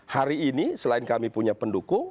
hari ini selain kami punya pendukung